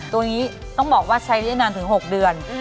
ตัวนี้ต้องบอกว่าใช้ได้นานถึง๖เดือน